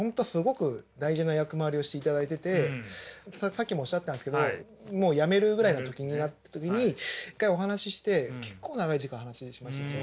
でもさっきもおっしゃってたんですけどもう辞めるぐらいの時になった時に一回お話しして結構長い時間話しましたよね。